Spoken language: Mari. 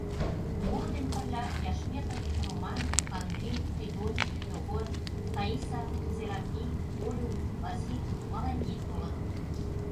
Моло дене пырля Яшметов, Роман, Андри, Придон, Йогор, Таиса, Серапи, Олюк, Васик, Маланьи толыт.